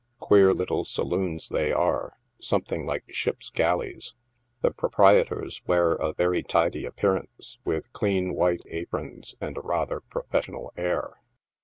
Queer little sa loons they are, something like ship's galleys. The proprietors wear a very tidy appearance, with clean white aprons and a rather professional air.